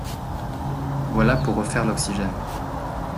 Voilà pour refaire l’oxygène.